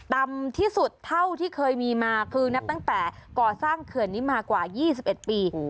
ต่ำที่สุดเท่าที่เคยมีมาคือนับตั้งแต่ก่อสร้างเขื่อนนี้มากว่า๒๑ปี